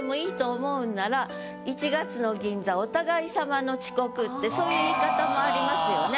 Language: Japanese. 「一月の銀座お互い様の遅刻」ってそういう言い方もありますよね。